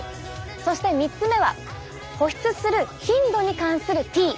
そして３つ目は保湿する頻度に関するＴ。